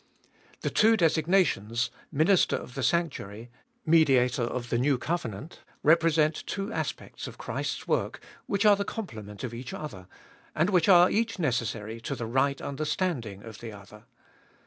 The two designations, Minister of the sanctuary, Mediator of the new covenant, represent two aspects of Christ's work which are the complement of each 268 abe ibolfest of Bll other, and which are each necessary to the right understanding of the other.